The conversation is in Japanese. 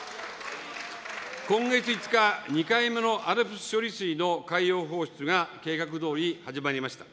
今月５日、２回目のＡＬＰＳ処理水の海洋放出が、計画どおり始まりました。